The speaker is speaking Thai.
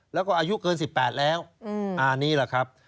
แล้วก็อายุเกิน๑๘แล้วอันนี้แหละครับ